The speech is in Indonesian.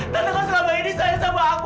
tante kau selama ini sayang sama aku